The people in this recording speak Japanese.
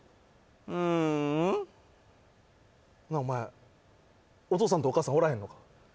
ううん何やお前お父さんとお母さんおらへんのか？